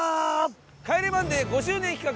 『帰れマンデー』５周年企画！